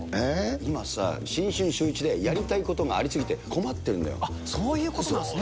今さ、新春シューイチでやりたいことがありすぎて、困ってるそういうことなんですね。